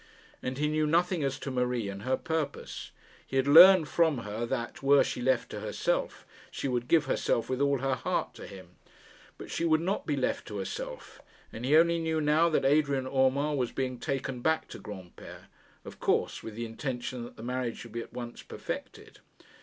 And he knew nothing as to Marie and her purpose. He had learned from her that, were she left to herself, she would give herself with all her heart to him. But she would not be left to herself, and he only knew now that Adrian Urmand was being taken back to Granpere, of course with the intention that the marriage should be at once perfected.